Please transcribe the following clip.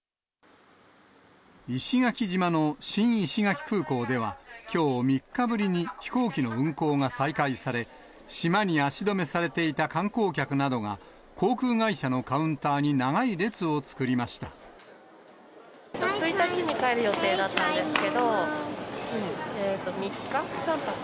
石垣島の新石垣空港では、きょう、３日ぶりに飛行機の運航が再開され、島に足止めされていた観光客などが、航空会社のカウンターに長い１日に帰る予定だったんですけど、３日、３泊。